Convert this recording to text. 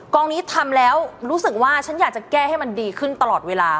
กองนี้ทำแล้วรู้สึกว่าฉันอยากจะแก้ให้มันดีขึ้นตลอดเวลา